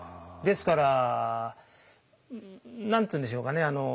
ですから何て言うんでしょうかね。